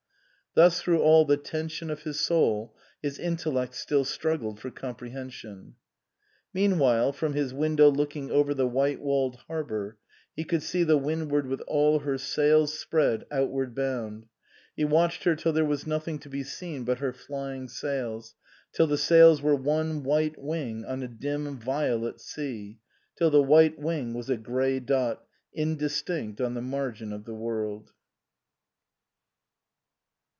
Thus through all the tension of his soul, his intellect still struggled for comprehension. Meanwhile, from his window looking over the white walled harbour, he could see the Windward with all her sails spread, outward bound. He watched her till there was nothing to be seen but her flying sails, till the sails were one white wing on a dim violet sea, till the white wing was a grey dot, indistinct on the margin of the world.